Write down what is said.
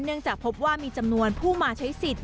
จากพบว่ามีจำนวนผู้มาใช้สิทธิ์